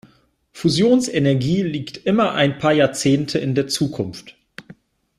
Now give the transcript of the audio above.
Fusionsenergie liegt immer ein paar Jahrzehnte in der Zukunft.